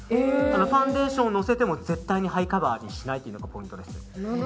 ファンデーションのせても絶対にハイカバーにしないのがポイントです。